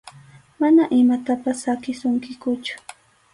Mana imatapas saqisunkikuchu.